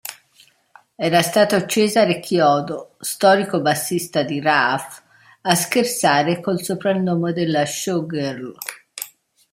Era stato Cesare Chiodo, storico bassista di Raf, a scherzare col soprannome della showgirl.